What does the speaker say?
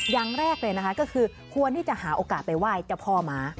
อย่างแรกเลยนะคะก็คือควรที่จะหาโอกาสไปไหว้เจ้าพ่อม้า